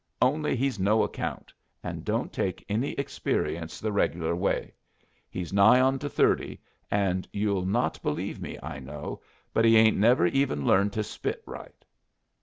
Only he's no account, and don't take any experience the reg'lar way. He's nigh onto thirty, and you'll not believe me, I know, but he ain't never even learned to spit right."